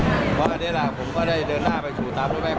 อนาคตประเทศไทยนับว่าจะเดินหน้าไปอย่างไร